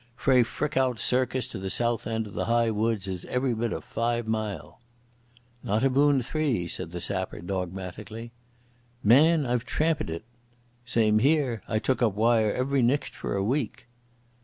Frae Frickout Circus to the south end o' the High Wood is every bit o' five mile." "Not abune three," said the sapper dogmatically. "Man, I've trampit it." "Same here. I took up wire every nicht for a week."